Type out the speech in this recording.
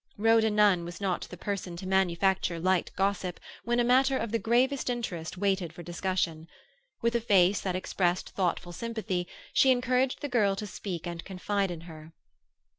Rhoda Nunn was not the person to manufacture light gossip when a matter of the gravest interest waited for discussion. With a face that expressed thoughtful sympathy, she encouraged the girl to speak and confide in her.